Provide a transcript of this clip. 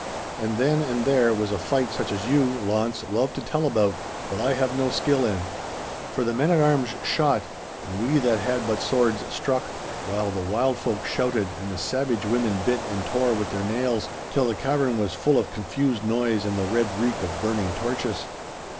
And then and there was a fight such as you, Launce, love to tell about, but I have no skill in. For the men at arms shot, and we that had but swords struck, while the wild folk shouted and the savage women bit and tore with their nails till the cavern was full of confused noise and the red reek of burning torches.